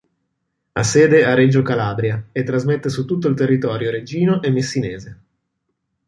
Ha sede a Reggio Calabria e trasmette su tutto il territorio reggino e messinese.